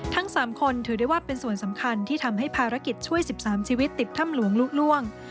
ทั้ง๓คนถือได้ว่าเป็นส่วนสำคัญที่ทำให้ภารกิจช่วย๑๓ชีวิตติดถ้ำหลวงลุล่วง